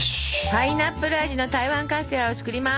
パイナップル味の台湾カステラを作ります。